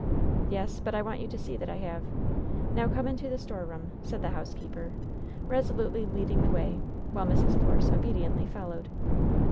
"Yes, but I want you to see that I have. Now come into the storeroom," said the housekeeper, resolutely leading the way, while Mrs. Force obediently followed.